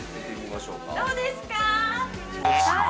どうですか？